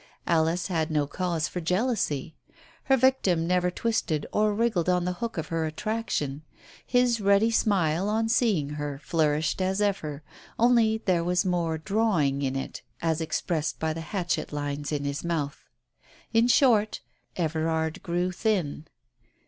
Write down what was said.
Alice had no cause for jealousy. Her victim never twisted or wriggled on the hook of her attraction, his ready smile on seeing her flourished as ever, only there was more "drawing " in it, as expressed by the hatchet lines of his mouth. In short, Everard grew thin.